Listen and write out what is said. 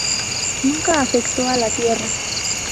Nunca afectó a la tierra.